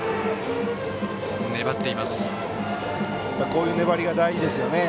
こういう粘りが大事ですよね。